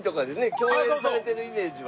共演されてるイメージは。